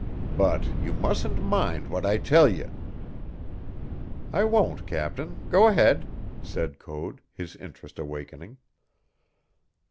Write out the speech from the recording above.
But you mustn't mind what I tell ye." "I won't, captain. Go ahead," said Code, his interest awakening.